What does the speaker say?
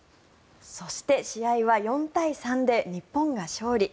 そして、試合は４対３で日本が勝利。